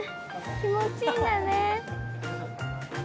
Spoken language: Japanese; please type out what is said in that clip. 気持ちいいんだね。